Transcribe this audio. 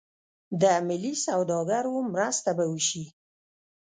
د ملي سوداګرو مرسته به وشي.